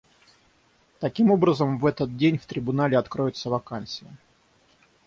Таким образом, в этот день в Трибунале откроется вакансия.